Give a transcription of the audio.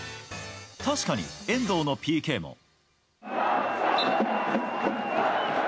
確かに、遠藤のＰＫも。